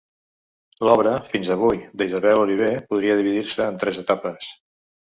L'obra, fins avui, d'Isabel Oliver podria dividir-se en tres etapes.